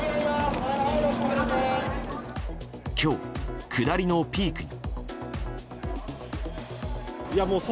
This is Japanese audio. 今日、下りのピークに。